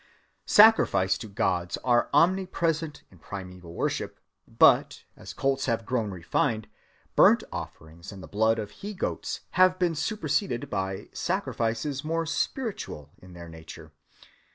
Sacrifices to gods are omnipresent in primeval worship; but, as cults have grown refined, burnt offerings and the blood of he‐goats have been superseded by sacrifices more spiritual in their nature.